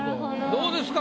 どうですか？